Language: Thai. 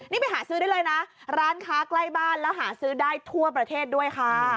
นี่ไปหาซื้อได้เลยนะร้านค้าใกล้บ้านแล้วหาซื้อได้ทั่วประเทศด้วยค่ะ